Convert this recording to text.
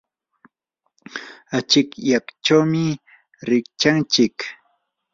achikyaychawmi rikchanchik.